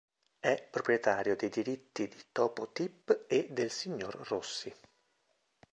È proprietario dei diritti di Topo Tip e del Signor Rossi.